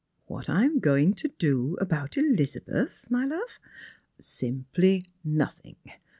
" What I am going to do about EUzabeth, my love ? Simply nothing.